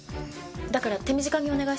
だから手短にお願いします。